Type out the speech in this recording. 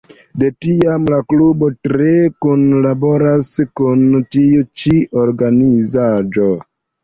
De tiam la klubo tre kunlaboras kun tiu ĉi organizaĵo.